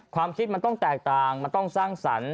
ความคิดมันต้องแตกต่างมันต้องสร้างสรรค์